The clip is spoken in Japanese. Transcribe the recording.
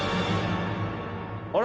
あれ？